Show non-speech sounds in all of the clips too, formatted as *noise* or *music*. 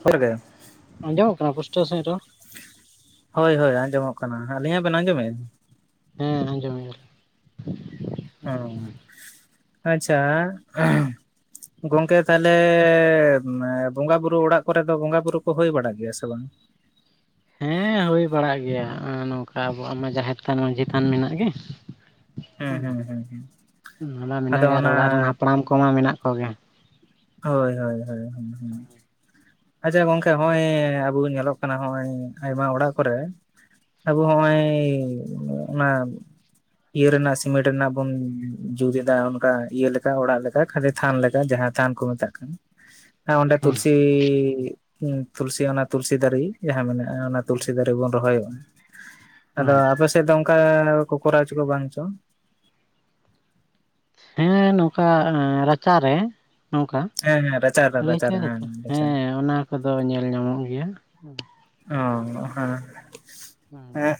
ᱜᱮ ᱟᱸᱡᱚᱢᱚᱼᱜ ᱠᱟᱱᱟ, ᱯᱩᱥᱴᱟᱹᱣ ᱥᱟᱹᱦᱤᱡ ᱨᱚᱲ? ᱦᱳᱭ, ᱦᱳᱭ ᱟᱸᱡᱚᱢᱚᱼᱜ ᱠᱟᱱᱟ᱾ ᱟᱹᱞᱤᱧᱟᱜ ᱵᱮᱱ ᱟᱸᱡᱚᱢᱮᱫ-ᱟ? ᱦᱮᱸ ᱟᱸᱡᱚᱢᱮᱟᱞᱤᱧ᱾ ᱮᱸ ᱟᱪᱪᱷᱟ ᱜᱚᱝᱠᱮ ᱛᱟᱦᱞᱮ ᱵᱚᱸᱜᱟ ᱵᱩᱨᱩ ᱚᱲᱟᱜ ᱠᱚᱨᱮ ᱫᱚ, ᱵᱚᱸᱜᱟ ᱵᱩᱨᱩ ᱠᱚ ᱦᱩᱭ ᱵᱟᱲᱟᱜ ᱜᱮᱭᱟ, ᱥᱮ ᱵᱟᱝ? ᱦᱮᱸ ᱦᱩᱭ ᱵᱟᱲᱟᱜ ᱜᱮᱭᱟ ᱾ᱱᱚᱝᱠᱟ ᱟᱵᱚᱣᱟ-ᱜ ᱢᱟ ᱾ᱡᱟᱸᱦᱮᱨ ᱛᱷᱟᱱ ᱢᱟᱹᱡᱷᱤ ᱛᱷᱟᱱ ᱢᱮᱱᱟᱜ ᱜᱮ᱾ ᱦᱩ ᱦᱩᱸ ᱦᱩᱸ ᱦᱩᱸ ᱦᱩᱸ ᱚᱱᱟ ᱢᱟ ᱟᱫᱚ ᱢᱮᱱᱟᱜ ᱜᱮᱭᱟ ᱚᱱᱟ ᱚᱲᱟᱜ ᱨᱮᱱ ᱦᱟᱯᱲᱟᱢ ᱠᱚᱢᱟ ᱢᱮᱱᱟᱜ ᱠᱚᱜᱮ᱾ ᱦᱳᱭ, ᱦᱳᱭ, ᱦᱳᱭ, ᱦᱳᱭ᱾ ᱟᱪᱪᱷᱟ ᱜᱚᱝᱠᱮ, ᱱᱚᱜᱼᱚᱭ ᱟᱵᱚ ᱧᱮᱞᱚᱜ ᱠᱟᱱᱟ ᱾ ᱱᱚᱜᱼᱚᱭ ᱟᱭᱢᱟ ᱚᱲᱟᱜ ᱠᱚᱨᱮ᱾ ᱟᱵ ᱦᱚᱸᱼᱚᱭ ᱚᱱᱟ ᱤᱭᱟᱹ ᱨᱮᱱᱟᱜ ᱥᱤᱢᱮᱱᱴ ᱨᱮᱱᱟᱜ ᱵᱩᱱ, ᱡᱩᱛ ᱮᱫᱟ ᱚᱱᱠᱟ ᱤᱭᱟᱹ ᱞᱮᱠᱟ ᱾ᱚᱲᱟᱜ ᱞᱮᱠᱟ ᱠᱷᱟᱹᱞᱤ ᱛᱷᱟᱱ ᱞᱮᱠᱟ ᱾ᱡᱟᱦᱟᱸ ᱛᱷᱟᱱ ᱠᱚ ᱢᱮᱛᱟᱜ ᱠᱟᱱᱟ ᱾ᱚᱸᱰᱮ ᱛᱩᱞᱥᱤ ᱛᱩᱞᱥᱤ, ᱚᱱᱟ ᱛᱩᱞᱥᱤ ᱫᱟᱨᱮ, ᱡᱟᱦᱟᱸ ᱢᱮᱱᱟᱜᱼᱟ᱾ ᱚᱱᱟ ᱛᱩᱞᱥᱤ ᱫᱟᱨᱮ ᱵᱚᱱ ᱨᱚᱦᱚᱭᱚᱜᱼᱟ᱾ ᱟᱫᱚ ᱟᱯᱮ ᱥᱮᱫ ᱫᱚ, ᱚᱱᱠᱟ ᱠᱚ ᱠᱚᱨᱟᱣ ᱪᱚ ᱠᱚ ᱵᱟᱝ ᱪᱚ? ᱦᱮᱸ ᱱᱚᱝᱠᱟ ᱨᱟᱪᱟ ᱨᱮ᱾ ᱱᱚᱝᱠᱟ ᱦᱮᱸ ᱦᱮᱸ ᱨᱟᱪᱟᱨ ᱨᱮ ᱞᱟᱹᱭ ᱨᱟᱪᱟᱨ ᱦᱚᱪᱚᱭ ᱦᱮᱸ ᱫᱟᱛᱚ, ᱨᱟᱪᱟᱨ ᱦᱮᱸ ᱚᱱᱟ ᱠᱚᱼᱫᱚ ᱧᱮᱞ ᱧᱟᱢᱚ-ᱜ ᱜᱮᱭᱟ᱾ ᱚ ᱦᱮᱸ, ᱦᱮᱸ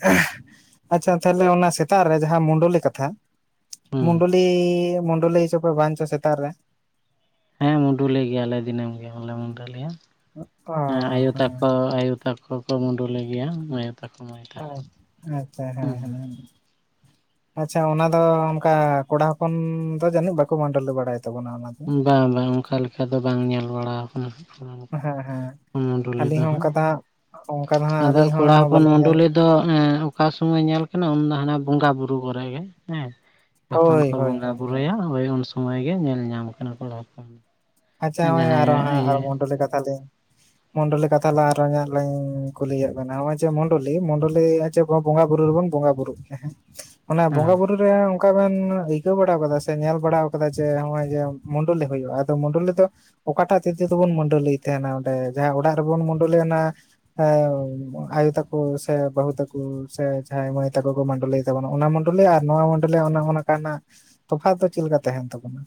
ᱟᱪᱪᱷᱟ ᱛᱟᱦᱚᱞᱮ ᱚᱱᱟ ᱥᱮᱛᱟᱜ ᱨᱮ, ᱡᱟᱦᱟᱸ ᱢᱳᱰᱳᱞᱤ ᱠᱟᱛᱷᱟ? ᱦᱩᱸ ᱢᱳᱰᱳᱞᱤ, ᱢᱩᱰᱩᱞᱤ ᱪᱚ ᱠᱚ ᱵᱟᱝ ᱪᱚ ᱥᱮᱛᱟ ᱨᱮ? ᱦᱮᱸ ᱢᱩᱰᱚᱞᱤ ᱜᱮᱭᱟᱞᱮ ᱫᱤᱱᱟᱹᱢ ᱜᱮ ᱟᱞᱮ ᱢᱩᱰᱩᱞᱤᱭᱼᱟ᱾ ᱚ ᱟᱭᱳ ᱦᱮᱸ ᱛᱟᱠᱚ ᱟᱭᱳ ᱛᱟᱠᱚ ᱠᱚ ᱢᱩᱰᱩᱞ ᱜᱮᱭᱟ᱾ ᱛᱟ ᱠᱚ ᱢᱟᱹᱭ ᱚ ᱛᱟᱠᱚ ᱟᱪᱪᱷᱟ ᱦᱮᱸ, ᱦᱮᱸ ᱟᱪᱪᱷᱟ ᱚᱱᱟ ᱫᱚ ᱚᱱᱠᱟ, ᱠᱚᱲᱟ ᱦᱚᱯᱚᱱ ᱫᱚ ᱡᱟᱹᱱᱤᱡ ᱵᱟᱠᱚ ᱢᱟᱹᱰᱚᱞᱤ ᱵᱟᱲᱟᱭ᱾ ᱛᱟᱵᱚᱱᱟ ᱚᱱᱟ ᱫᱚ- ᱵᱟᱝ, ᱵᱟᱝ ᱚᱱᱠᱟ ᱞᱮᱠᱟ ᱫᱚ ᱵᱟᱝ ᱧᱮᱞ ᱵᱟᱲᱟᱣ ᱟᱠᱟᱱᱟ᱾ ᱦᱮᱸ ᱦᱮᱸ ᱢᱩᱰᱚᱞᱤ ᱟᱹᱞᱤᱧ ᱫᱚ ᱦᱚᱸ ᱦᱟᱜ, ᱚᱱᱠᱟ ᱦᱟᱸᱜ ᱚᱱᱠᱟ ᱫᱚ ᱦᱟᱸᱜ ᱟᱫᱚ ᱟᱹᱞᱤᱧ ᱦᱚᱸ ᱠᱚᱲᱟᱸ ᱦᱚᱯᱚᱱ ᱵᱟᱹᱞᱤᱧ ᱧᱮᱞ ᱢᱩᱰᱚᱞᱤ ᱫᱚ ᱫᱚ ᱚᱠᱟ ᱥᱚᱢᱚᱭ ᱧᱮᱞ ᱠᱟᱱᱟ᱾ ᱩᱱ ᱫᱚ ᱦᱟᱱᱟ ᱵᱚᱸᱜᱟ ᱵᱩᱨᱩ ᱠᱚᱨᱮ ᱜᱮ᱾ ᱦᱮᱸ ᱡᱚᱠᱷᱚᱱ ᱦᱳᱭ ᱠᱚ ᱦᱳᱭ ᱵᱚᱸᱜᱟ ᱦᱳᱭ ᱵᱩᱨᱩᱭ-ᱟ᱾ ᱦᱳᱭ ᱩᱱ ᱥᱚᱢᱚᱭ ᱜᱮ, ᱧᱮᱞ ᱧᱟᱢ ᱠᱟᱱᱟ ᱠᱚ ᱦᱚᱯᱚᱱ ᱟᱪᱪᱷᱟ ᱱᱚᱜᱚᱭ ᱡᱟᱦᱟᱸᱭ ᱟᱨᱚ ᱦᱟᱸ ᱤᱭᱟᱹ ᱢᱚᱱᱰᱚᱞᱤ ᱠᱟᱛᱷᱟ ᱞᱤᱧ ᱢᱚᱱᱰᱚᱞ ᱠᱟᱛᱷᱟ ᱞᱮᱠᱟᱛᱮ, ᱟᱨᱚ ᱞᱤᱧ ᱞᱮᱧ ᱠᱩᱞᱤᱭᱮᱫ ᱵᱮᱱᱟ᱾ ᱱᱚᱜᱼᱚᱭ ᱡᱮ ᱢᱚᱱᱰᱚᱞᱤ, ᱢᱩᱚᱱᱰᱚᱞᱤ ᱮᱫ ᱵᱚᱸᱜᱟ ᱵᱩᱨᱩ ᱨᱮᱵᱚᱱ ᱵᱚᱸᱜᱟ ᱵᱩᱨᱩᱜ ᱜᱮᱭᱟ ᱾ ᱦᱮᱸ ᱚᱱᱟ ᱦᱮᱸ ᱵᱚᱸᱜᱟ ᱵᱩᱨᱩ ᱰᱩ ᱨᱮ ᱚᱱᱠᱟ ᱵᱮᱱ ᱟᱹᱭᱠᱟᱹᱣ ᱵᱟᱲᱟ ᱟᱠᱟᱫᱟ ᱥᱮ, ᱧᱮᱞ ᱵᱟᱲᱟ ᱟᱠᱟᱫᱟ ᱡᱮ ᱱᱚᱜᱼᱚᱭ ᱡᱮ, ᱢᱩᱰᱚᱞᱤ ᱦᱩᱭᱩᱜᱼᱟ᱾ ᱢᱩᱟᱰᱚᱞᱤ ᱫᱚ ᱚᱠᱟᱴᱟᱜ ᱛᱤᱛᱮ ᱵᱚᱱ ᱢᱩᱰᱚᱞᱤᱭᱮᱫ ᱛᱟᱦᱮᱱᱟ᱾ ᱚᱸᱰᱮ ᱡᱟᱦᱟᱸ ᱚᱲᱟᱜ ᱨᱮᱵᱚᱱ ᱢᱩᱰᱟᱹᱚᱞᱤᱭᱱᱟ᱾ ᱦᱮᱸ ᱟᱭᱩ ᱛᱟᱠᱚ, ᱥᱮ ᱵᱟᱦᱩ ᱛᱟᱠᱚ ᱥᱮ, ᱡᱷᱟᱭ ᱢᱟᱹᱭ ᱛᱠᱚ ᱠᱚ ᱢᱩᱰᱚᱞᱤ ᱛᱟᱰᱚᱱᱟ ᱚᱱᱟ ᱢᱚᱱᱰᱚᱞᱤ, ᱟᱨ ᱱᱚᱣᱟ ᱢᱚᱱᱰᱚᱞᱤᱭᱟ-ᱜ, ᱚᱱᱠᱟᱱᱟᱜ ᱛᱚᱯᱷᱟᱛ ᱫᱚ ᱪᱮᱫ ᱞᱮᱠᱟ ᱛᱟᱦᱮᱱ ᱛᱟᱵᱚᱱᱟ?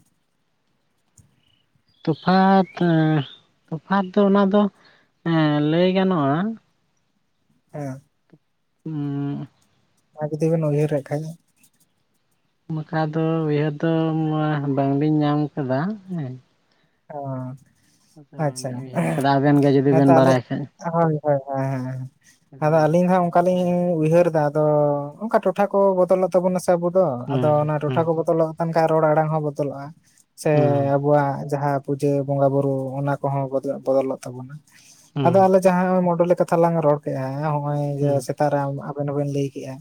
ᱦᱮᱸ ᱛᱚᱯᱷᱟᱛ ᱫᱚ ᱚᱱᱟ ᱫᱚ, ᱞᱟᱹᱭ ᱜᱟᱱᱚᱜᱼᱟ᱾ ᱦᱮᱸ ᱩᱸᱻ ᱟᱨ ᱡᱩᱫᱤ ᱵᱮᱱ ᱩᱭᱦᱟᱹᱨᱮᱫ ᱠᱷᱟᱡ ᱾ ᱵᱟᱠᱷᱟ ᱫᱚ ᱩᱭᱦᱟᱹᱨ ᱫᱚ ᱵᱟᱝᱞᱤᱧ ᱧᱟᱢ ᱟᱠᱟᱫᱟ ᱦᱮᱸ ᱾ ᱚᱻ ᱦᱮᱸ ᱥᱮ ᱵᱟᱝᱞᱤᱧ ᱩᱭᱦᱟᱹᱨ ᱠᱮᱫᱟ ᱟᱵᱮᱱ ᱜᱮ ᱡᱩᱫᱤ ᱵᱮᱱ ᱵᱟᱲᱟᱭ ᱠᱷᱟᱡ ᱾ ᱦᱚᱭ ᱦᱚᱭ ᱦᱚᱭ ᱦᱚᱭ ᱟᱫᱚ ᱟᱹᱞᱤᱧ ᱦᱟᱸᱜ ᱚᱱᱠᱟᱞᱤᱧ *unintelligible* ᱩᱭᱦᱟᱹᱨ ᱮᱫᱟ ᱟᱫᱚ ᱚᱱᱠᱟ ᱴᱚᱴᱷᱟ ᱠᱚ ᱵᱚᱫᱚᱞᱚᱜ ᱛᱟᱵᱚᱱᱟ ᱥᱮ ᱟᱵᱚ ᱫᱚ ᱟᱫᱚ ᱚᱱᱟ ᱴᱚᱴᱷᱟ ᱦᱩᱸ ᱠᱚ ᱵᱚᱫᱚᱞᱚᱜ ᱚᱱᱠᱟ ᱨᱚᱲ ᱟᱲᱟᱝ ᱦᱚᱸ ᱵᱚᱫᱚᱞᱚᱜᱼᱟ ᱥᱮ ᱦᱩᱸ ᱟᱵᱚᱣᱟᱜ ᱡᱟᱦᱟᱸ ᱯᱩᱡᱟᱹ ᱵᱚᱸᱜᱟ ᱵᱩᱨᱩ ᱚᱱᱟ ᱠᱚᱦᱚᱸ ᱵᱚᱫᱚᱞᱚᱜ ᱛᱟᱵᱚᱱᱟ ᱦᱩᱸ ᱦᱩᱸ ᱟᱫᱚ ᱟᱞᱮ ᱡᱟᱦᱟᱸ ᱢᱚᱰᱚᱞᱤ ᱠᱟᱛ ᱛᱷᱟ ᱞᱟᱝ ᱨᱚᱲ ᱠᱮᱫᱼᱟ ᱱᱚᱜᱼᱚᱭ ᱡᱮ ᱦᱩᱸ ᱥᱮᱛᱟᱜ ᱨᱮ ᱟᱵᱮ ᱟᱵᱮᱱ ᱦᱚᱸᱵᱮᱱ ᱞᱟᱹᱭ ᱠᱮᱜᱼᱟ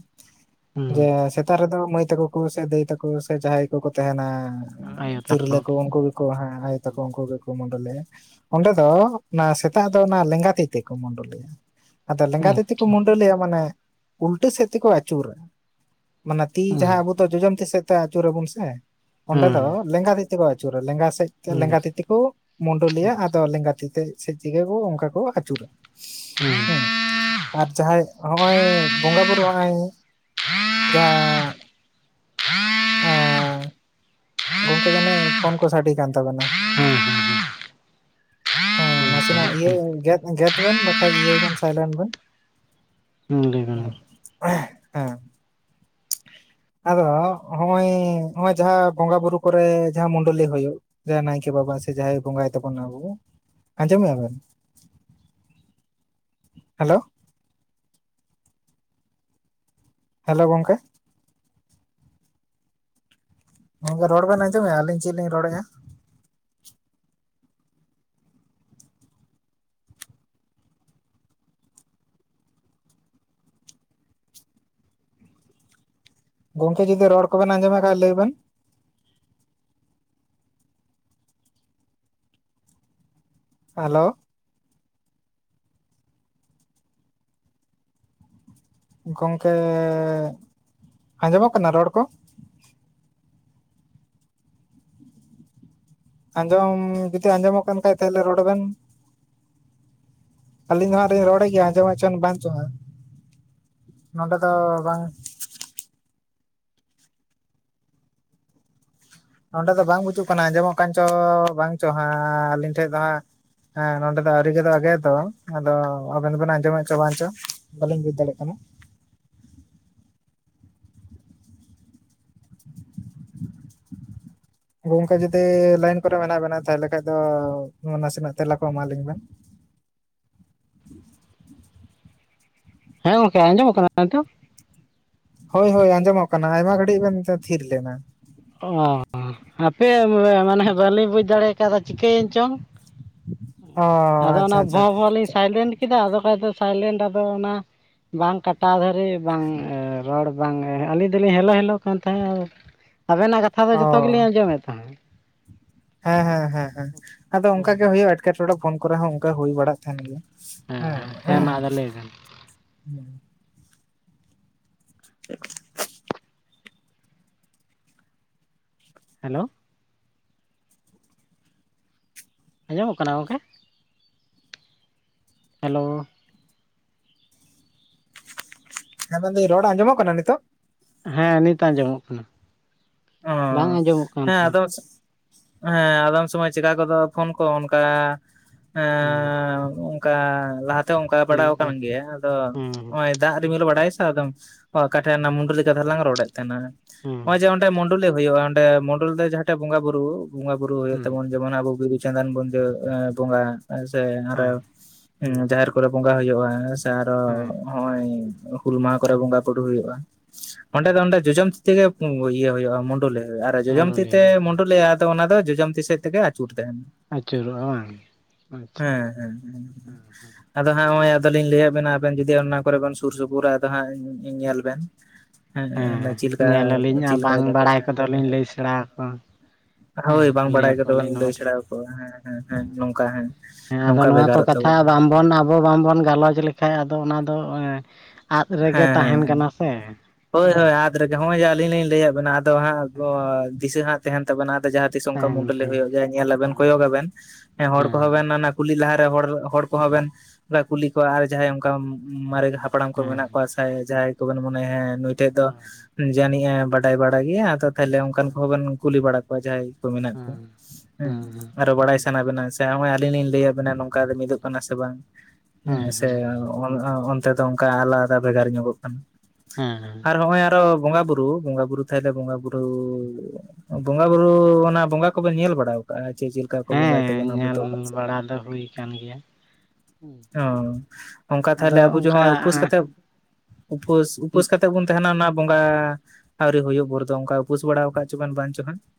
ᱦᱩᱸ ᱡᱮ ᱥᱮᱛ ᱥᱮᱛᱟᱜ ᱨᱮᱫᱚ ᱢᱟᱹᱭ ᱛᱟᱠᱚ ᱠᱚ ᱥᱮ ᱫᱟᱹᱭ ᱛᱟᱠᱚ ᱥᱮ ᱡᱟᱦᱟᱸᱭ ᱠᱚᱠᱚ ᱛᱟᱦᱮᱱᱟ ᱟᱭᱳ ᱛᱤᱨᱞᱟᱹ ᱛᱟᱠᱚ ᱠᱚ ᱩᱱᱠᱩ ᱜᱮ ᱠᱚ ᱦᱮᱸ ᱟᱭᱳ ᱛᱟᱠᱚ ᱩᱱᱠᱩ ᱜᱮᱠᱚ ᱢᱩᱰᱚᱞᱤᱭᱟ ᱾ ᱚᱸᱰᱮ ᱫᱚ ᱚᱱᱟ ᱥᱮᱛᱟᱜ ᱫᱚ ᱚᱱᱟ ᱞᱮᱸᱜᱟ ᱛᱤ ᱛᱮᱠᱚ ᱢᱩᱰᱚᱞᱤᱭᱟ ᱾ ᱟᱫᱚ ᱞᱮᱸᱜᱟ ᱛᱤ ᱦᱩᱸ ᱛᱮᱠᱚ ᱢᱩᱰᱚᱞᱤᱭᱟ ᱢᱟᱱᱮ ᱩᱞᱴᱟᱹ ᱥᱮᱫ ᱛᱮᱠᱚ ᱟᱹᱪᱩᱨᱟ ᱾ ᱢᱟᱱᱮ ᱛᱤ ᱦᱩᱸ ᱡᱟᱦᱟᱸ ᱟᱵᱚ ᱫᱚ ᱡᱚᱡᱚᱢ ᱛᱤ ᱥᱮᱫ ᱛᱮ ᱟᱹᱪᱩᱨᱟᱵᱚᱱ ᱥᱮ ᱚᱸᱰᱮ ᱫᱚ ᱦᱮᱸ ᱞᱮᱸᱜᱟ ᱛᱤ ᱛᱮᱠᱚ ᱟᱹᱪᱩᱨᱟ ᱞᱮᱸᱜᱟ ᱥᱮᱡ ᱛᱮ ᱞᱮᱸᱜᱟ ᱛᱤ ᱛᱮᱠᱚ ᱢᱩᱰᱞᱤᱭᱟ ᱟᱫᱚ ᱞᱮᱸᱜᱟ ᱛᱤ ᱛᱮ ᱥᱮᱪ ᱛᱮᱜᱮ ᱠᱚ ᱚᱱᱠᱟ ᱠᱚ ᱟᱹᱪᱩᱨᱟ ᱦᱮᱸ ᱾ ᱟᱨ ᱡᱟᱦᱟᱸᱭ ᱦᱚᱸᱜᱼᱚᱭ ᱵᱚᱸᱜᱟ ᱵᱳᱨᱳ ᱱᱚᱜᱼᱚᱭ ᱡᱟᱦᱟᱸ ᱮᱸᱻ ᱜᱚᱝᱠᱮ ᱜᱷᱟᱱᱮ ᱯᱷᱳᱱ ᱠᱚ ᱥᱟᱰᱮ ᱠᱟᱱ ᱛᱟᱵᱮᱱᱟ ᱦᱮᱸ ᱱᱟᱥᱮ ᱱᱟᱜ ᱤᱭᱟᱹ ᱜᱮᱫ ᱜᱮᱫ ᱵᱮᱱ ᱵᱟᱠᱷᱟᱡ ᱤᱭᱟᱹᱭ ᱵᱮᱱ ᱥᱟᱭᱞᱮᱱᱴ ᱵᱮᱱ ᱾ ᱞᱟᱹᱭ ᱵᱮᱱ ᱢᱟ ᱚᱸᱻ ᱦᱮᱸ ᱾ ᱟᱫᱚ ᱦᱚᱜᱼᱚᱭ ᱱᱚᱜᱼᱚᱭ ᱡᱟᱦᱟᱸ ᱵᱚᱸᱜᱟ ᱵᱩᱨᱩ ᱠᱚᱨᱮ ᱡᱟᱦᱟᱸ ᱢᱩᱰᱞᱤ ᱦᱩᱭᱩᱜ ᱡᱮ ᱱᱟᱭᱠᱮ ᱵᱟᱵᱟ ᱥᱮ ᱡᱟᱦᱟᱸᱭ ᱵᱚᱸᱜᱟᱭ ᱛᱟᱵᱚᱱ ᱟᱵᱚ ᱟᱸᱡᱚᱢᱮᱜ-ᱟ ᱵᱮᱱ? ᱦᱮᱞᱳ ᱦᱮᱞᱳ ᱜᱚᱝᱠᱮ ᱾ ᱜᱚᱢᱠᱮ ᱨᱚᱲ ᱵᱮᱱ ᱟᱸᱡᱚᱢᱮᱜ-ᱟ ᱟᱹᱞᱤᱧ ᱪᱮᱫ ᱞᱤᱧ ᱨᱚᱲᱮᱫᱼᱟ? ᱜᱚᱝᱠᱮ ᱡᱩᱫᱤ ᱨᱚᱲ ᱠᱚᱵᱮᱱ ᱟᱸᱡᱚᱢᱮᱫ ᱠᱷᱟᱱ ᱞᱟᱹᱭ ᱵᱮᱱ? ᱦᱮᱞᱳ ᱜᱚᱢᱠᱮᱻ ᱟᱸᱡᱚᱢᱚᱜ ᱠᱟᱱᱟ ᱨᱚᱲ ᱠᱚ? ᱟᱸᱡᱚᱢ ᱡᱩᱫᱤ ᱟᱸᱡᱚᱢᱚᱜ ᱠᱟᱱ ᱠᱷᱟᱡ ᱛᱟᱦᱚᱞᱮ ᱨᱚᱲ ᱵᱮᱱ? ᱟᱹᱞᱤᱧ ᱫᱚ ᱦᱟᱸᱜ ᱞᱤᱧ ᱨᱚᱲᱮᱫ ᱜᱮᱭᱟ ᱟᱸᱡᱚᱢᱮᱫ ᱪᱚᱝ ᱵᱟᱝ ᱪᱚᱝ ᱦᱟᱸᱜ ᱱᱚᱰᱮ ᱫᱚ ᱵᱟᱝ ᱱᱚᱸᱰᱮ ᱫᱚ ᱵᱟᱝ ᱵᱩᱡᱩᱜ ᱠᱟᱱᱟ ᱟᱸᱡᱚᱢᱚᱜ ᱠᱟᱱ ᱪᱚ ᱵᱟᱝ ᱪᱚ ᱦᱟᱸᱜ ᱟᱹᱞᱤᱧ ᱴᱷᱮᱡ ᱫᱚ ᱦᱟᱸᱜ ᱦᱮᱸ ᱱᱚᱰᱮ ᱫᱚ ᱟᱹᱣᱨᱤ ᱜᱮᱫᱚᱜ-ᱟ ᱜᱮᱫ ᱫᱚ ᱟᱫᱚ ᱟᱵᱮᱱ ᱫᱚᱵᱮᱱ ᱟᱸᱡᱚᱢᱮᱫ ᱪᱚ ᱵᱟᱝ ᱪᱚ ᱾ ᱵᱟᱹᱞᱤᱧ ᱵᱩᱡᱽ ᱫᱟᱲᱮᱭᱟᱜ ᱠᱟᱱᱟ ᱾ ᱜᱚᱝᱠᱮ ᱡᱩᱫᱤ ᱞᱟᱭᱤᱱ ᱠᱚᱨᱮ ᱢᱮᱱᱟᱜ ᱵᱮᱱᱟ ᱛᱟᱦᱚᱞᱮ ᱠᱷᱟᱱ ᱫᱚ ᱱᱟᱥᱮᱱᱟᱜ ᱛᱮᱞᱟ ᱠᱚ ᱮᱢᱟᱞᱤᱧ ᱵᱮᱱ? ᱦᱮᱸ ᱜᱚᱝᱠᱮ ᱟᱸᱡᱚᱢᱚᱜ ᱠᱟᱱᱟ ᱱᱤᱛᱚᱜ? ᱦᱚᱭ ᱦᱚᱭ ᱟᱸᱡᱚᱢᱚᱜ ᱠᱟᱱᱟ ᱟᱭᱢᱟ ᱜᱷᱟᱹᱲᱤᱡ ᱵᱮᱱ ᱛᱷᱤᱨ ᱞᱮᱱᱟ ᱾ ᱚᱻ ᱦᱟᱯᱮ ᱢᱟᱱᱮ ᱵᱟᱹᱞᱤᱧ ᱵᱩᱡᱽ ᱫᱟᱲᱮ ᱠᱟᱣᱫᱟ ᱪᱤᱠᱟᱹᱭᱮᱱ ᱪᱚᱝ ᱾ ᱚ ᱟᱫᱚ ᱟᱪᱪᱷᱟ ᱚᱱᱟ ᱟᱪᱪᱷᱟ ᱵᱷᱚ ᱵᱷᱚ ᱞᱤᱧ ᱥᱟᱭ ᱞᱮᱱᱰ ᱠᱮᱫᱟ ᱟᱫᱚ ᱠᱷᱟᱡ ᱫᱚ ᱥᱟᱭᱞᱮᱱᱰ ᱟᱫᱚ ᱚᱱᱟ ᱵᱟᱝ ᱠᱟᱴᱟ ᱫᱷᱟᱹᱨᱤᱡ ᱵᱟᱝ ᱨᱚᱲ ᱵᱟᱝᱜᱮ ᱟᱹᱞᱤᱧ ᱫᱚᱞᱤᱧ ᱦᱮᱞᱳ ᱦᱮᱞᱳ ᱠᱟᱱ ᱛᱟᱦᱮᱸᱫ ᱟᱵᱮᱱᱟᱜ ᱠᱟᱛ ᱠᱟᱛᱷᱟ ᱫᱚ ᱚ ᱡᱚᱛᱚ ᱜᱮᱞᱤᱧ ᱟᱸᱡᱚᱢᱮᱫ ᱛᱟᱦᱮᱫ ᱾ ᱦᱮᱸ ᱦᱮᱸ ᱦᱮᱸ ᱦᱮᱸ ᱟᱫᱚ ᱚᱱᱠᱟ ᱜᱮ ᱦᱩᱭᱩᱜᱼᱟ ᱮᱴᱠᱮᱴᱚᱬᱮ ᱯᱷᱳᱱ ᱠᱚᱨᱮ ᱦᱚᱸ ᱚᱱᱠᱟ ᱦᱩᱭ ᱵᱟᱲᱟᱜ ᱛᱟᱦᱮᱱ ᱜᱮᱭᱟ ᱾ ᱢᱟ ᱦᱮᱸ ᱟᱫᱚ ᱞᱟᱹᱭ ᱵᱮᱱ ᱾ *inaudible* ᱦᱮᱞᱳ᱾ ᱟᱸᱡᱚᱢᱚᱜ ᱠᱟᱱᱟ ᱜᱚᱝᱠᱮ? ᱦᱮᱞᱳ ᱾ ᱦᱮᱸ ᱢᱮᱱᱫᱟᱹᱞ ᱨᱚᱲ ᱟᱸᱡᱚᱢᱚᱜ ᱠᱟᱱᱟ ᱱᱤᱛᱳᱜ? ᱦᱮᱸ ᱱᱤᱛ ᱟᱸᱡᱚᱢᱚᱜ ᱠᱟᱱᱟ ᱾ ᱚ ᱦᱮᱸ ᱛᱟᱦᱮᱸᱫ ᱟᱫᱚ ᱦᱮᱸ ᱟᱫᱚᱢ ᱥᱚᱢᱚᱭ ᱪᱤᱠᱟ ᱠᱚᱫᱚ ᱯᱷᱳᱱ ᱠᱚ ᱚᱱᱠᱟ ᱮᱸ ᱚᱱᱠᱟ ᱞᱟᱦᱟᱛᱮ ᱚᱱᱠᱟ ᱵᱟᱲᱟᱣ ᱟᱠᱟᱱ ᱜᱮᱭᱟ ᱟᱫᱚ ᱦᱮᱸ ᱱᱚᱜᱚᱭ ᱫᱟᱜ ᱨᱤᱢᱤᱞ ᱵᱟᱲᱟᱭᱟ ᱥᱮ ᱟᱫᱚᱢ ᱚᱠᱟᱴᱷᱮᱱ ᱚᱱᱟ *unintelligible* ᱠᱟᱛᱷᱟ ᱞᱟᱝ ᱨᱚᱲᱮᱫ ᱛᱟᱦᱮᱱᱟ ᱦᱮᱸ ᱱᱚᱜ ᱚᱭ ᱡᱮᱸ ᱚᱰᱮ ᱢᱩᱰᱩᱞᱤ ᱦᱩᱭᱩᱜᱼᱟ ᱚᱸᱰᱮ ᱢᱩᱰᱩᱞ ᱫᱮ ᱡᱟᱦᱟᱸᱴᱮᱜ ᱵᱚᱸᱜᱟ ᱵᱩᱨᱩ ᱵᱚᱸᱜᱟ ᱵᱩᱨᱩ ᱦᱩᱭᱩᱜ ᱦᱮᱸ ᱛᱟᱵᱚᱱ ᱡᱮᱢᱚᱱ ᱟᱵᱚ ᱵᱤᱫᱩ ᱪᱟᱸᱫᱟᱱ ᱵᱚᱱᱫᱟᱹ ᱟᱸ ᱵᱚᱸᱜᱟ ᱥᱮ ᱟᱨᱚ ᱦᱮᱸ ᱦᱩᱸ ᱡᱟᱦᱮᱨ ᱠᱚᱨᱮ ᱵᱚᱸᱜᱟ ᱦᱩᱭᱩᱜᱼᱟ ᱥᱮ ᱟᱨᱚ ᱦᱮᱸ ᱱᱚᱜᱼᱚᱭ ᱦᱩᱞ ᱢᱟᱦᱟ ᱠᱚᱨᱮ ᱵᱚᱸᱜᱟ ᱵᱩᱨᱩ ᱦᱩᱭᱩᱜᱼᱟ ᱚᱸᱰᱮ ᱫᱚ ᱦᱮᱸ ᱚᱸᱰᱮ ᱡᱚᱡᱚᱢ ᱛᱤ ᱛᱮᱜᱮ ᱤᱭᱟᱹ ᱦᱩᱭᱩᱜᱼᱟ ᱢᱩᱰᱩᱞᱤ ᱦᱩᱭᱩᱜᱼᱟ ᱟᱨ ᱡᱚᱡᱚᱢᱛᱤ ᱢᱩᱰᱩᱞᱤ ᱛᱮ ᱦᱤᱡᱩᱜᱼᱟ ᱦᱮᱸ ᱢᱩᱰᱩᱞᱮᱭᱟ ᱟᱫᱚ ᱚᱱᱟ ᱫᱚ ᱡᱚᱡᱚᱢᱛᱤ ᱥᱮᱫ ᱛᱮᱜᱮ ᱟᱹᱪᱩᱨ ᱛᱟᱦᱮᱱᱟ ᱟᱹᱪᱩᱨᱚᱜᱼᱟ ᱵᱟᱝ ᱟᱪᱪᱷᱟ ᱦᱮᱸ ᱦᱮᱸ ᱦᱮᱸ ᱦᱮᱸ ᱾ ᱟᱫᱚ ᱦᱟᱸᱜ ᱱᱚᱜᱼᱚᱭ ᱟᱫᱚᱞᱤᱧ ᱞᱟᱹᱭ ᱟᱵᱮᱱᱟ ᱟᱵᱮᱱ ᱡᱩᱫᱤ ᱚᱱᱟ ᱠᱚᱨᱮ ᱵᱮᱱ ᱥᱩᱨ ᱥᱩᱯᱩᱨᱟ ᱟᱫᱚ ᱦᱟᱸᱜ ᱧᱮᱞ ᱵᱮᱱ ᱦᱮᱸ ᱚᱱᱮ ᱪᱮᱫ ᱞᱮᱠᱟ ᱧᱮᱞ ᱟᱹᱞᱤᱧ ᱟᱨ *unintelligible* ᱵᱟᱝ ᱫᱟᱠᱚ ᱵᱟᱲᱟᱭ ᱦᱮᱸ ᱠᱚᱫᱚᱞᱤᱧ ᱞᱟᱹᱭ ᱥᱮᱬᱟ ᱟᱠᱚᱣᱟ ᱦᱮᱸ ᱦᱳᱭ ᱵᱟᱝ ᱞᱟᱹᱭ ᱵᱟᱲᱟᱭ ᱠᱚᱫᱚ ᱵᱟᱝ ᱟᱠᱚᱣᱟᱞᱤᱧ ᱱᱚᱣᱟ ᱞᱟᱹᱭ ᱫᱚ ᱪᱷᱟᱲᱟ ᱟᱠᱚ ᱦᱮᱸ ᱦᱮᱸ ᱾ ᱦᱮᱸ ᱟᱫᱚ ᱱᱚᱣᱟ ᱠᱚ ᱠᱟᱛᱷᱟ ᱛᱟᱵᱚᱱ ᱵᱟᱝᱵᱚᱱ ᱟᱵᱚ ᱵᱟᱝᱵᱚᱱ ᱜᱟᱞᱚᱪ ᱞᱮᱠᱷᱟᱡ ᱟᱫᱚ ᱚᱱᱟ ᱫᱚ ᱮᱸ ᱟᱫ ᱨᱮᱜᱮ ᱦᱮᱸ ᱦᱮᱸ ᱦᱮᱸ ᱛᱟᱦᱮᱱ ᱠᱟᱱᱟ ᱥᱮ ᱦᱮᱸ ᱦᱳᱭ ᱦᱳᱭ ᱟᱫ ᱨᱮᱜᱮ ᱦᱚᱸᱜᱼᱚᱭ ᱡᱮ ᱟᱹᱞᱤᱧ ᱞᱤᱧ ᱞᱟᱹᱭᱟᱫ ᱵᱮᱱᱟ ᱟᱫᱚ ᱦᱟᱸᱜ ᱟ ᱫᱤᱥᱟᱹ ᱦᱟᱸᱜ ᱛᱟᱦᱮᱱ ᱛᱟᱵᱮᱱᱟ ᱟᱫᱚ ᱡᱟᱦᱟᱸ ᱛᱤᱥ ᱚᱱᱠᱟ ᱛᱟᱦᱮᱱ ᱢᱩᱰᱟᱹᱞᱤ ᱯᱮ ᱦᱩᱭᱩᱜ ᱜᱮᱭᱟ ᱧᱮᱞᱟᱵᱮᱱ ᱦᱮᱸ ᱠᱚᱭᱚᱜ ᱟᱵᱮᱱ ᱦᱮᱸ ᱦᱚᱲ ᱠᱚᱦᱚᱸ ᱵᱮᱱ ᱚᱱᱟ ᱠᱩᱞᱤ ᱞᱟᱦᱟᱨᱮ ᱦᱚᱲ ᱦᱚᱲ ᱠᱚᱦᱚᱸ ᱵᱮᱱ ᱠᱩᱞᱤ ᱠᱚᱣᱟ ᱟᱨ ᱡᱟᱦᱟᱸᱭ ᱚᱱᱠᱟ ᱢᱟᱨᱮ ᱦᱟᱯᱲᱟᱢ ᱠᱚ ᱢᱮᱱᱟᱜ ᱠᱚᱣᱟ ᱦᱮᱸ ᱟᱥᱟᱭᱟᱭ ᱡᱟᱦᱟᱸᱭ ᱠᱚᱵᱮᱱ ᱢᱚᱱᱮᱭᱟ ᱦᱮᱸ ᱱᱩᱭ ᱴᱷᱮᱡ ᱫᱚ ᱡᱟᱹᱱᱤᱡ ᱮ ᱵᱟᱰᱟᱭ ᱵᱟᱲᱟ ᱜᱮᱭᱟ ᱟᱫᱚ ᱛᱟᱦᱚᱞᱮ ᱚᱱᱠᱟᱱ ᱠᱚᱦᱚᱸ ᱦᱮᱸ ᱵᱮᱱ ᱠᱩᱞᱤ ᱵᱟᱲᱟ ᱠᱚᱣᱟ ᱡᱟᱦᱟᱸᱭ ᱠᱚ ᱢᱮᱱᱟᱜ ᱦᱮᱸ ᱠᱚ ᱦᱮᱸ ᱟᱨᱚ ᱵᱟᱲᱟᱭ ᱥᱟᱱᱟ ᱵᱮᱱᱟ ᱥᱮ ᱦᱚᱸᱜᱚᱭ ᱟᱹᱞᱤᱧ ᱞᱤᱧ ᱞᱟᱹᱭᱟᱜ ᱵᱮᱱᱟ ᱱᱚᱝ ᱚᱠᱟ ᱨᱮ ᱢᱤᱫᱚᱜ ᱦᱮᱸ ᱠᱟᱱᱟ ᱥᱮ ᱵᱟᱝ ᱦᱮᱸ ᱥᱮ ᱦᱮᱸ ᱟᱱ ᱟ ᱟᱱ ᱚᱱᱛᱮ ᱫᱚ ᱚᱱᱠᱟ ᱟᱞᱟᱫ ᱚᱠᱟ ᱵᱷᱮᱜᱟᱨ ᱧᱚᱜᱚᱜ ᱠᱟᱱᱟ ᱦᱮᱸ ᱦᱮᱸ ᱾ ᱟᱨ ᱦᱚᱸᱜᱼᱚᱭ ᱟᱨᱚ ᱵᱚᱸᱜᱟ ᱵᱩᱨᱩ ᱵᱚᱸᱜᱟ ᱵᱩᱨᱩ ᱛᱟᱦᱚᱞᱮ ᱵᱚᱸᱜᱟ ᱵᱩᱨᱩ ᱵᱚᱸᱜᱟ ᱵᱩᱨᱩ ᱚᱱᱟ ᱵᱚᱸᱜᱟ ᱠᱚᱵᱚᱱ ᱧᱮᱞ ᱵᱟᱲᱟ ᱠᱟᱜᱼᱟ ᱪᱮᱸ ᱪᱮᱫ ᱞᱮᱠᱟ ᱠᱚ ᱵᱚᱸᱜᱟᱭ ᱛᱟᱵᱚᱱᱟ ᱟᱵᱚ ᱫᱚ, ᱟᱫᱚ ᱦᱩᱭ ᱠᱟᱱ ᱜᱮᱭᱟ ᱾ ᱚ ᱚᱱᱠᱟ ᱛᱟᱦᱞᱮ ᱟᱫᱚ ᱟᱵᱚ ᱡᱮ ᱚᱱᱠᱟ ᱱᱚᱜᱼᱚᱭ ᱩᱯᱟᱹᱥ ᱠᱟᱛᱮᱫ ᱩᱯᱟᱹᱥ ᱩᱯᱟᱹᱥ ᱠᱟᱛᱮ‌ ᱵᱚᱱ ᱛᱟᱦᱮᱱᱟ ᱚᱱᱟ ᱵᱚᱸᱜᱟ ᱟᱹᱣᱨᱤ ᱦᱩᱭᱩᱜ ᱵᱷᱳᱨ ᱫᱚ ᱚᱝᱠᱟ ᱩᱯᱟᱹᱥ ᱵᱟᱲᱟᱣ ᱟᱠᱟᱫ ᱪᱚᱵᱮᱱ ᱵᱟᱝ ᱪᱚ ᱦᱟᱸᱜ ᱾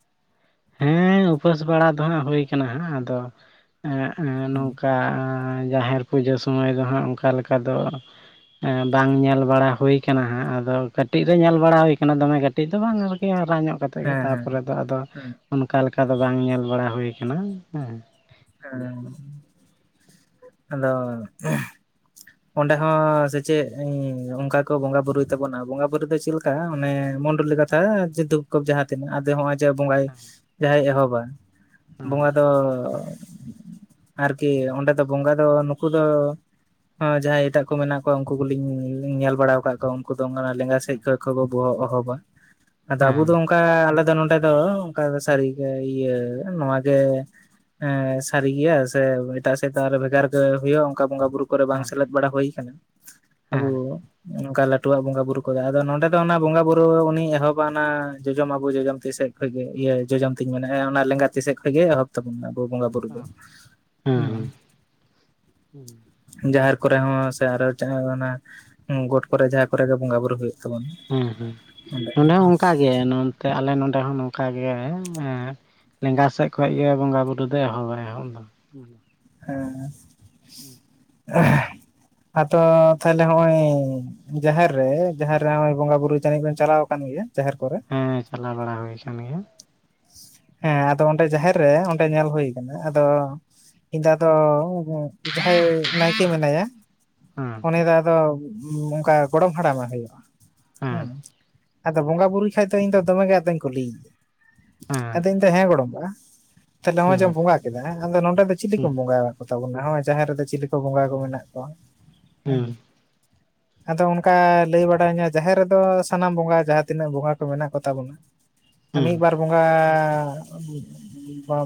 ᱦᱮᱸ ᱩᱯᱟᱹᱥ ᱵᱟᱲᱟ ᱫᱚ ᱦᱟᱸᱜ ᱦᱩᱭ ᱠᱟᱱᱟ ᱦᱟᱸᱜ ᱟᱫᱚ ᱮᱸ ᱮᱸ ᱦᱮᱸ ᱱᱚᱝᱠᱟ ᱮᱸ ᱡᱟᱦᱮᱨ ᱯᱩᱡᱟᱹ ᱥᱚᱢᱚᱭ ᱫᱚ ᱦᱟᱸᱜ ᱚᱱᱠᱟ ᱞᱮᱠᱟ ᱫᱚ ᱮᱸ ᱵᱟᱝ ᱧᱮᱞ ᱵᱟᱲᱟ ᱦᱩᱭ ᱠᱟᱱᱟ ᱦᱟᱸᱜ ᱟᱫᱚ ᱠᱟᱹᱴᱤᱡ ᱨᱮ ᱧᱮᱞ ᱵᱟᱲᱟ ᱦᱩᱭ ᱟᱠᱟᱱᱟ ᱫᱚᱢᱮ ᱠᱟᱹᱴᱤᱡ ᱠᱟᱹᱴᱤᱡ ᱫᱚ ᱵᱟᱝ ᱟᱨᱠᱤ ᱦᱟᱨᱟ ᱧᱚᱜ ᱠᱟᱛᱮᱫ ᱜᱮ ᱦᱮᱸ ᱛᱟᱨᱯᱚᱨᱮ ᱫᱚ ᱟᱫᱚ ᱦᱮᱸ ᱚᱱᱠᱟ ᱞᱮᱠᱟ ᱫᱚ ᱵᱟᱝ ᱧᱮᱞ ᱵᱟᱲᱟ ᱦᱩᱭ ᱟᱠᱟᱱᱟ ᱦᱮᱸ ᱾ ᱦᱮᱸ ᱟᱫᱚ ᱚᱸᱰᱮ ᱦᱚᱸ ᱥᱮᱪᱮᱜ ᱚᱱᱠᱟ ᱠᱚ ᱵᱚᱸᱜᱟ ᱵᱩᱨᱩᱭ ᱛᱟᱵᱚᱱᱟ ᱵᱚᱸᱜᱟ ᱵᱩᱨᱩ ᱫᱚ ᱪᱮᱞ ᱠᱟᱜ-ᱟ ᱚᱱᱮ ᱢᱚᱱᱰᱚᱞᱤ ᱠᱟᱛᱷᱟ ᱡᱮ ᱫᱩᱠ ᱠᱚ ᱡᱟᱦᱟᱸ ᱛᱤᱱᱟᱹᱜ ᱟᱫᱮ ᱦᱚᱸᱜ-ᱚᱭ ᱡᱚ ᱵᱚᱸᱜᱟᱭ ᱦᱮᱸ ᱡᱟᱦᱟᱸᱭ ᱮᱦᱚᱵᱟ ᱦᱮᱸ ᱵᱚᱸᱜᱟ ᱫᱚ ᱟᱨᱠᱤ ᱚᱸᱰᱮ ᱫᱚ ᱵᱚᱸᱜᱟ ᱫᱚ ᱱᱩᱠᱩ ᱫᱚ ᱦᱚᱸ ᱡᱟᱦᱟᱸᱭ ᱮᱴᱟᱜ ᱠᱚ ᱢᱮᱱᱟᱜ ᱠᱚᱣᱟ ᱩᱱᱠᱩ ᱠᱚᱞᱤᱧ ᱧᱮᱞ ᱵᱟᱲᱟᱣ ᱟᱠᱟᱫ ᱠᱚᱣᱟ ᱩᱱᱠᱩ ᱫᱚ ᱞᱮᱸᱜᱟ ᱥᱮᱡ ᱠᱚ ᱠᱚᱵᱚ ᱵᱚᱦᱚᱜ ᱚᱦᱚᱵᱟ ᱟᱫᱚ ᱟᱵᱚ ᱦᱮᱸ ᱫᱚ ᱚᱝ ᱠᱟ ᱟᱞᱮ ᱫᱚ ᱱᱚᱰᱮ ᱫᱚ ᱚᱝᱠᱟ ᱥᱟᱹᱨᱤᱜᱮ ᱤᱭᱟᱹ ᱱᱚᱣᱟᱜᱮ ᱦᱮᱸ ᱥᱟᱹᱨᱤ ᱜᱮᱭᱟ ᱥᱮ ᱮᱴᱟᱜ ᱥᱮᱫ ᱫᱚ ᱟᱨᱚ ᱵᱷᱮᱜᱟᱨ ᱜᱮ ᱦᱩᱭᱩᱜ-ᱟ ᱚᱝᱠᱟ ᱵᱚᱸᱜᱟ ᱵᱩᱨᱩ ᱠᱚᱨᱮ ᱵᱟᱝ ᱥᱮᱞᱮᱫ ᱵᱟᱲᱟ ᱦᱩᱭ ᱟᱠᱟᱱᱟ ᱟᱵᱩ ᱦᱮᱸ ᱚᱝᱠᱟ ᱞᱟᱹᱴᱩᱣᱟᱜ ᱵᱚᱸᱜᱟ ᱵᱩᱨᱩ ᱠᱚᱫᱚ ᱟᱫᱚ ᱱᱚᱰᱮ ᱫᱚ ᱚᱱᱟ ᱵᱚᱸᱜᱟ ᱵᱩᱨᱩ ᱩᱱᱤ ᱮᱦᱚᱵᱟ ᱚᱱᱟ ᱡᱚᱡᱚᱢ ᱟᱵᱚ ᱡᱚᱡᱚᱢ ᱛᱤᱥᱮᱫ ᱠᱷᱚᱡ ᱜᱮ ᱤᱭᱟᱹ ᱡᱚᱡᱚᱢ ᱛᱤᱧ ᱢᱮᱱᱟᱜ-ᱟ ᱚᱱᱟ ᱞᱮᱸᱜᱟ ᱛᱤ ᱥᱮᱫ ᱠᱷᱚᱡ ᱜᱮ ᱮᱦᱚᱵ ᱛᱚᱦᱚᱯ ᱟᱵᱚ ᱵᱚᱸᱜᱟ ᱵᱩᱨᱩ ᱫᱚ ᱦᱩᱸ᱾ ᱦᱩᱸ ᱡᱟᱦᱮᱨ ᱠᱚᱨᱮ ᱦᱚᱸ ᱥᱮ ᱟᱨᱚ ᱡᱟᱦᱟᱸ ᱚᱱᱟ ᱜᱚᱴ ᱠᱚᱨᱮ ᱡᱟᱦᱟᱸ ᱠᱚᱨᱮ ᱜᱮ ᱵᱚᱸᱜᱟ ᱵᱩᱨᱩ ᱦᱩᱭᱩᱜ ᱛᱟᱵᱚᱱᱟ ᱦᱮᱸ ᱦᱮᱸ ᱚᱸᱰᱮ ᱱᱚᱰᱮ ᱦᱚᱸ ᱚᱝᱠᱟᱜᱮ ᱱᱚᱱᱛᱮ ᱟᱞᱮ ᱱᱚᱰᱮ ᱦᱚᱸ ᱚᱝᱠᱟᱜᱮ ᱞᱮᱸᱜᱟ ᱥᱮᱡ ᱠᱷᱚ ᱜᱮ ᱵᱚᱸᱜᱟ ᱵᱩᱨᱩ ᱫᱚ ᱮᱦᱚᱵᱟᱭ ᱮᱦᱚᱵ ᱫᱚ᱾ ᱦᱮᱸ ᱦᱩᱸ ᱟᱫᱚ ᱛᱟᱦᱞᱮ ᱦᱚᱜ-ᱚᱭ ᱡᱟᱦᱮᱨ ᱨᱮ ᱡᱟᱦᱮᱨ ᱨᱮ ᱱᱚᱜ-ᱚᱭ ᱵᱚᱸᱜᱟ ᱵᱩᱨᱩ ᱡᱟᱹᱱᱤᱡ ᱵᱮᱱ ᱪᱟᱞᱟᱣ ᱟᱠᱟᱱ ᱜᱮᱭᱟ ᱡᱟᱦᱮᱨ ᱠᱚᱨᱮ, ᱦᱮᱸ ᱪᱟᱞᱟᱣ ᱵᱟᱲᱟ ᱦᱩᱭ ᱠᱟᱱ ᱜᱮᱭᱟ᱾ ᱦᱮᱸ ᱟᱫᱚ ᱚᱸᱰᱮ ᱡᱟᱦᱮᱨ ᱨᱮ ᱚᱸᱰᱮ ᱧᱮᱞ ᱦᱩᱭ ᱠᱟᱱᱟ ᱟᱫᱚ ᱤᱧ ᱫᱚ ᱟᱫᱚ ᱡᱟᱦᱟᱸᱭ ᱱᱟᱭᱠᱮ ᱢᱮᱱᱟᱭᱟ ᱦᱮᱸ ᱩᱱᱤ ᱫᱚ ᱟᱫᱚ ᱚᱝᱠᱟ ᱜᱚᱲᱚᱢ ᱦᱟᱲᱟᱢᱮ ᱦᱩᱭᱩᱜ-ᱟ ᱦᱩᱸ, ᱦᱮᱸ ᱟᱫᱚ ᱵᱚᱸᱜᱟ ᱵᱩᱨᱩᱭ ᱠᱷᱟᱡ ᱫᱚ ᱤᱧ ᱫᱚᱢᱮ ᱟᱫᱚᱧ ᱠᱩᱞᱤᱭᱟ, ᱦᱮᱸ ᱟᱫᱚ ᱤᱧ ᱫᱚ ᱦᱮᱸ ᱜᱚᱲᱚᱢᱵᱟ ᱛᱟᱦᱚᱞᱮ ᱱᱚᱜ-ᱚᱭ ᱡᱮᱢ ᱦᱩᱸ ᱵᱚᱸᱜᱟ ᱠᱮᱫᱟ ᱟᱫᱚ ᱱᱚᱰᱮ ᱫᱚ ᱪᱤᱞᱤ ᱠᱚᱢ ᱦᱩᱸ ᱵᱚᱸᱜᱟ ᱠᱚ ᱛᱟᱵᱚᱱᱟ ᱱᱚᱜ-ᱚᱭ ᱡᱟᱦᱮᱨ ᱨᱮᱫᱚ ᱪᱤᱞᱤ ᱠᱚ ᱵᱚᱸᱜᱟ ᱠᱚ ᱢᱮᱱᱟᱜ ᱠᱚᱣᱟ? ᱦᱩᱸ, ᱟᱫᱚ ᱚᱱᱠᱟ ᱞᱟᱹᱭ ᱵᱟᱲᱟ ᱤᱧᱟᱹ ᱡᱟᱦᱮᱨ ᱨᱮᱫᱚ ᱥᱟᱱᱟᱢ ᱵᱚᱸᱜᱟ ᱡᱟᱦᱟᱸ ᱛᱤᱱᱟᱹᱜ ᱵᱚᱸᱜᱟ ᱠᱚ ᱢᱮᱱᱟᱜ ᱠᱚᱛᱟ ᱵᱚᱱᱟ ᱦᱩᱸ ᱢᱤᱜ ᱵᱟᱨ ᱵᱚᱸᱜᱟ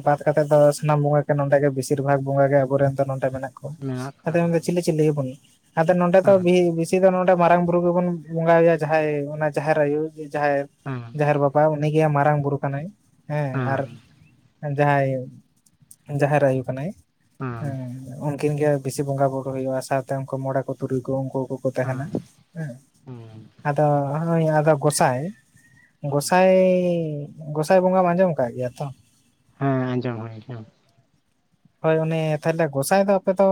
ᱵᱟᱫ ᱠᱟᱛᱮᱫ ᱫᱚ ᱥᱟᱱᱟᱢ ᱵᱚᱸᱜᱟ ᱜᱮ ᱱᱚᱰᱮ ᱜᱮ ᱵᱮᱥᱤᱨ ᱵᱷᱟᱜᱽ ᱵᱚᱸᱜᱟ ᱜᱮ ᱟᱵᱚᱨᱮᱱ ᱫᱚ ᱱᱚᱰᱮ ᱢᱮᱱᱟᱜ ᱢᱮᱱᱟᱜ ᱟᱫᱚ ᱠᱚᱣᱟ ᱦᱮᱸ ᱢᱮᱱ ᱪᱤᱞᱤ ᱪᱤᱞᱤ ᱜᱮ ᱵᱟᱹᱱᱩᱜ-ᱟ ᱟᱫᱚ ᱱᱚᱰᱮ ᱫᱚ ᱦᱮᱸ ᱵᱤᱥᱤ ᱥᱤ ᱫᱚ ᱱᱚᱰᱮ ᱢᱟᱨᱟᱝ ᱵᱩᱨᱩ ᱜᱮᱵᱚᱱ ᱵᱚᱸᱜᱟᱭᱟ ᱡᱟᱦᱟᱸᱭ ᱚᱱᱟ ᱡᱟᱦᱮᱨ ᱟᱭᱳ ᱡᱟᱦᱟᱸᱭ ᱦᱩᱸ ᱡᱟᱦᱮᱨ ᱵᱟᱵᱟ ᱩᱱᱤ ᱜᱮ ᱢᱟᱨᱟᱝ ᱵᱩᱨᱩ ᱠᱟᱱᱟᱭ᱾ᱦᱮᱸ ᱦᱮᱸ ᱟᱨ ᱡᱟᱦᱟᱸᱭ ᱡᱟᱦᱮᱨ ᱟᱭᱳ ᱠᱟᱱᱟᱭ, ᱦᱩᱸ ᱩᱱᱠᱤᱱ ᱜᱮ ᱵᱤᱥᱤ ᱵᱚᱸᱜᱟ ᱵᱩᱨᱩ ᱦᱩᱭᱩᱜ-ᱟ ᱥᱟᱶᱛᱮ ᱩᱱᱠᱩ ᱢᱚᱬᱮ ᱠᱚ ᱛᱩᱨᱩᱭ ᱠᱚ ᱩᱱᱠᱩ ᱠᱚ ᱠᱚ ᱛᱟᱦᱮᱸᱱᱟ ᱦᱮᱸ ᱦᱮᱸ ᱦᱮᱸ ᱟᱫᱚ ᱦᱚᱸᱜ-ᱚᱭ ᱟᱫᱚ ᱜᱚᱸᱥᱟᱭ, ᱜᱚᱸᱥᱟᱭ ᱜᱚᱸᱥᱟᱭ ᱵᱚᱸᱜᱟᱢ ᱟᱸᱡᱚᱢ ᱟᱠᱟᱜ ᱜᱮᱭᱟ ᱛᱚ? ᱦᱮᱸ ᱟᱸᱡᱚᱢ ᱦᱩᱭ ᱠᱟᱱᱟ᱾ ᱦᱳᱭ ᱩᱱᱤ ᱛᱟᱦᱚᱞᱮ ᱜᱚᱸᱥᱟᱭ ᱫᱚ ᱟᱯᱮᱫᱚ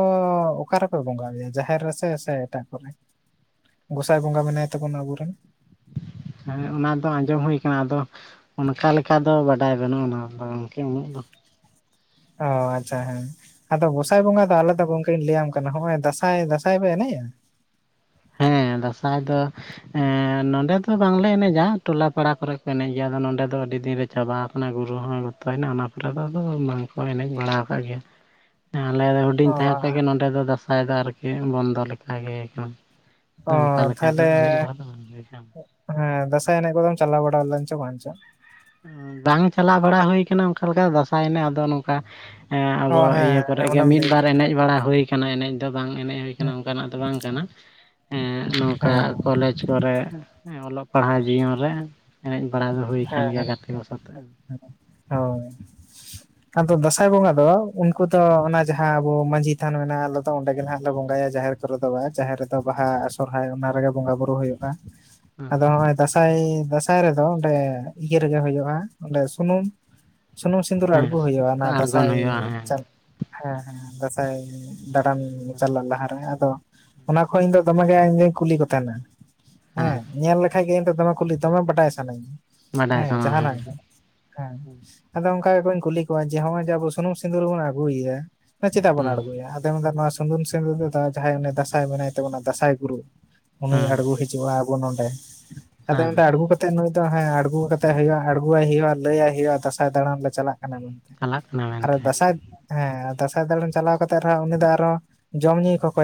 ᱚᱠᱟ ᱨᱮᱯᱮ ᱵᱚᱸᱜᱟᱭᱟ ᱡᱟᱦᱮᱨ ᱨᱮᱥᱮ ᱥᱮ ᱮᱴᱟᱜ ᱠᱚᱨᱮ? ᱜᱚᱸᱥᱟᱭ ᱵᱚᱸᱜᱟ ᱢᱮᱱᱟᱭ ᱛᱟᱵᱩᱱᱟ ᱟᱵᱩᱨᱮᱱ, ᱦᱮ ᱚᱱᱟ ᱫᱚ ᱟᱸᱡᱚᱢ ᱦᱩᱭ ᱠᱟᱱᱟ ᱟᱫᱚ ᱚᱱᱠᱟ ᱞᱮᱠᱟ ᱫᱚ ᱵᱟᱰᱟᱭ ᱵᱟᱹᱱᱩᱜ-ᱟ ᱚᱱᱟ ᱫᱚ ᱜᱚᱝᱠᱮ ᱩᱱᱟᱹᱜ ᱫᱚ᱾ ᱚ ᱟᱪᱪᱷᱟ ᱦᱮᱸ ᱟᱫᱚ ᱜᱚᱸᱥᱟᱭ ᱵᱚᱸᱜᱟ ᱫᱚ ᱟᱞᱮ ᱫᱚ ᱜᱚᱝᱠᱮᱧ ᱞᱟᱹᱭᱟᱢ ᱠᱟᱱᱟ ᱦᱚᱸᱜ-ᱚᱭ ᱫᱟᱸᱥᱟᱭ ᱫᱟᱸᱥᱟᱭ ᱯᱮ ᱮᱱᱮᱡ-ᱟ? ᱦᱮᱸ ᱫᱟᱸᱥᱟᱭ ᱫᱚ᱾ ᱮᱻ ᱱᱚᱸᱰᱮ ᱫᱚ ᱵᱟᱝᱞᱮ ᱮᱱᱮᱡ-ᱟ ᱴᱚᱞᱟ ᱯᱟᱲᱟ ᱠᱚᱨᱮ ᱠᱚ ᱮᱱᱮᱡ ᱜᱮᱭᱟ ᱟᱫᱚ ᱱᱚᱰᱮ ᱫᱚ ᱟᱹᱰᱤ ᱫᱤᱱ ᱨᱮ᱾ ᱪᱟᱵᱟ ᱟᱠᱟᱱᱟ ᱜᱩᱨᱩ ᱦᱚᱸᱭ ᱜᱚᱛᱚᱭᱱᱟ ᱚᱱᱟ ᱯᱚᱨᱮ ᱫᱚ ᱟᱫᱚ ᱵᱟᱝᱠᱚ ᱮᱱᱮᱡ ᱵᱟᱲᱟ ᱟᱠᱟᱫ ᱜᱮᱭᱟ᱾ *unintelligible* ᱟᱞᱮ ᱫᱚ ᱚ ᱦᱩᱰᱤᱧ ᱛᱟᱦᱮᱸ ᱠᱷᱚᱡ ᱜᱮ ᱱᱚᱸᱰᱮ ᱫᱚ ᱫᱟᱸᱥᱟᱭ ᱫᱚ ᱟᱨᱠᱤ ᱵᱚᱱᱫᱚ ᱞᱮᱠᱟ ᱜᱮ᱾ ᱚ ᱟᱫᱚ ᱚᱝᱠᱟ ᱞᱮᱠᱟ ᱫᱚ ᱛᱟᱦᱚᱞᱮ ᱮᱱᱮᱡ ᱵᱟᱲᱟ ᱫᱚ ᱵᱟᱝ ᱦᱩᱭ ᱠᱟᱱ᱾ ᱦᱮᱸ ᱫᱟᱸᱥᱟᱭ ᱮᱱᱮᱡ ᱠᱚᱫᱚᱢ ᱪᱟᱞᱟᱣ ᱵᱟᱲᱟ ᱞᱮᱱ ᱪᱚ ᱵᱟᱝ ᱪᱚ᱾ ᱮᱸᱻ ᱵᱟᱝ ᱪᱟᱞᱟᱣ ᱵᱟᱲᱟ ᱦᱩᱭ ᱠᱟᱱᱟ ᱚᱱᱠᱟ ᱞᱮᱠᱟ‌ ᱫᱟᱸᱥᱟᱭ ᱮᱱᱮᱜ ᱟᱫᱚ ᱱᱚᱝᱠᱟᱼᱼ ᱮᱸ ᱚ ᱟᱵᱚ ᱦᱮᱸ ᱤᱭᱟᱹ ᱠᱚᱨᱮ ᱦᱮᱸ ᱜᱮ ᱚᱱᱟᱢ ᱢᱤᱫ ᱞᱟᱹᱭ ᱵᱟᱨ ᱮᱱᱮᱡ ᱵᱟᱲᱟ ᱦᱩᱭ ᱠᱟᱱᱟ ᱮᱱᱮᱡᱼᱼ ᱫᱚ ᱵᱟᱝ ᱮᱱᱮᱡ ᱦᱩᱭ ᱠᱟᱱᱟ ᱦᱮᱸ ᱚᱱᱠᱟ ᱱᱟᱜ ᱫᱚ ᱵᱟᱝ ᱠᱟᱱᱟ ᱮᱸ ᱦᱮᱸ ᱱᱚᱝᱠᱟ ᱠᱚᱞᱮᱡᱽ᱾ *inaudible* ᱠᱚᱨᱮ ᱮᱸ ᱚᱞᱚᱜ ᱯᱟᱲᱦᱟᱣ ᱡᱤᱭᱚᱱ ᱨᱮ ᱮᱱᱮᱡ ᱵᱟᱲᱟ ᱫᱚ ᱦᱩᱭ ᱠᱟᱱ ᱜᱮᱭᱟ ᱜᱟᱛᱮ ᱠᱚ ᱥᱚᱛᱮᱜ᱾ ᱦᱚᱭ᱾ ᱟᱫᱚ ᱫᱟᱸᱥᱟᱭ ᱵᱚᱸᱜᱟ ᱫᱚ ᱩᱱᱠᱩ ᱛᱚ ᱚᱱᱟ ᱡᱟᱦᱟᱸ ᱟᱵᱚ ᱢᱟᱺᱡᱷᱤ ᱛᱷᱟᱱ ᱢᱮᱱᱟᱜ-ᱟ ᱟᱞᱮ ᱫᱚ ᱚᱸᱰᱮ ᱜᱮ ᱱᱟᱦᱟᱸᱜ ᱞᱮ ᱵᱚᱸᱜᱟ ᱭᱟ ᱡᱟᱦᱮᱨ᱾ ᱨᱮᱫᱚ ᱵᱟᱝ ᱡᱟᱦᱮᱨ ᱨᱮᱫᱚ ᱵᱟᱦᱟ ᱥᱚᱨᱦᱟᱭ ᱚᱱᱟ ᱨᱮᱜᱮ ᱵᱚᱸᱜᱟ ᱵᱳᱨᱳ ᱦᱩᱭᱩᱜ-ᱟ᱾ ᱟᱫᱚ ᱱᱚᱜ-ᱚᱭ ᱫᱟᱸᱥᱟᱭ ᱫᱟᱸᱥᱟᱭ ᱨᱮᱫᱚ ᱚᱸᱰᱮ ᱤᱭᱟᱹ ᱨᱮᱜᱮ ᱦᱩᱭᱩᱜ-ᱟ ᱚᱸᱰᱮ ᱥᱩᱱᱩᱢ᱾ ᱥᱩᱱᱩᱢ ᱥᱤᱸᱫᱩᱨ ᱟᱲᱜᱩ ᱦᱮᱸ ᱦᱩᱭᱩᱜ-ᱟ ᱚᱱᱟ ᱟᱬᱜᱚᱱ ᱫᱟᱸᱥᱟᱭ ᱦᱩᱭᱩᱜᱼᱟ ᱦᱮᱸ ᱪᱟᱞ ᱦᱮᱸ ᱦᱮᱸ ᱦᱮᱸ ᱫᱟᱸᱥᱟᱭ᱾ ᱫᱟᱬᱟᱱ ᱪᱟᱞᱟᱜ ᱞᱟᱦᱟ ᱨᱮ ᱟᱫᱚ ᱚᱱᱟ ᱠᱚ ᱤᱧ ᱫᱚ ᱫᱚᱢᱮ ᱜᱮ ᱤᱧ ᱫᱩ ᱠᱩᱞᱤ ᱠᱚ ᱛᱮᱦᱮᱱᱟ᱾ ᱦᱮᱸ ᱧᱮᱞ ᱞᱮᱠᱷᱟᱡ ᱜᱮ ᱤᱧ ᱫᱚ ᱫᱚᱢᱮ ᱠᱩᱞᱤ ᱫᱚᱢᱮ ᱵᱟᱰᱟᱭ ᱥᱟᱱᱟᱹᱧᱟ ᱵᱟᱰᱟᱭ ᱦᱮᱸ ᱥᱟᱱᱟ ᱡᱟᱦᱟᱸ ᱱᱟᱜ ᱜᱮ᱾ ᱦᱮᱸ ᱟᱫᱚ ᱚᱱᱠᱟ ᱜᱮᱠᱚᱧ ᱠᱩᱞᱤ ᱠᱚᱣᱟ ᱡᱮ ᱦᱚᱸᱜ-ᱚᱭ ᱡᱮ ᱟᱵᱚ ᱥᱩᱱᱩᱢ ᱥᱤᱸᱫᱩᱨ ᱵᱚᱱ ᱟᱜᱩᱭᱟ᱾ ᱛᱚ ᱪᱮᱫᱟᱜ ᱵᱚᱱ ᱦᱮᱸ ᱟᱬᱜᱚᱭᱟ ᱟᱫᱚᱭ ᱢᱮᱱᱫᱟ ᱱᱚᱣᱟ᱾ ᱥᱩᱱᱩᱢ‌ ᱥᱤᱸᱫᱩᱨ ᱫᱚ ᱫᱟ ᱡᱟᱦᱟᱸᱭ ᱩᱱᱤ ᱫᱟᱥᱟᱸᱭ ᱢᱮᱱᱟᱭ ᱛᱟᱵᱚᱱᱟ ᱫᱟᱥᱟᱸᱭ ᱜᱩᱨᱩ ᱩᱱᱤᱭ ᱦᱮᱸ ᱟᱲᱜᱩ᱾ ᱡᱩᱜ-ᱟ ᱟᱵᱚ ᱱᱚᱰᱮ ᱟᱫᱚᱭ ᱦᱮᱸ ᱢᱮᱱ ᱫᱟ ᱟᱬᱜᱩ ᱠᱟᱛᱮᱜ ᱱᱩᱭ ᱫᱚᱼᱼ ᱦᱮᱸ ᱟᱬᱜᱩ ᱠᱟᱛᱮᱜ ᱦᱩᱭᱩᱜ-ᱟ ᱟᱲᱜ ᱞᱟᱹᱭᱟᱭ ᱦᱩᱭᱩᱜ-ᱟ ᱫᱟᱥᱟᱸᱭ ᱫᱟᱬᱟᱱ ᱞᱮ ᱪᱟᱞᱟᱜ ᱠᱟᱱᱟ ᱢᱮᱱᱼᱼ ᱪᱟᱞᱟᱜ ᱠᱟᱱᱟ ᱟᱨ ᱢᱮᱱᱛᱮ ᱫᱟᱥᱟᱸᱭᱼᱼ ᱦᱮᱸ ᱟᱨ ᱫᱟᱸᱥᱟᱭ ᱫᱟᱬᱟᱱ ᱪᱟᱞᱟᱣ ᱠᱟᱛᱮᱜ ᱟᱨᱦᱚᱸ ᱩᱱᱤ ᱫᱚ ᱟᱨᱦᱚᱸ ᱡᱚᱢ ᱧᱩᱭ ᱠᱷᱚᱠᱚᱭᱟ᱾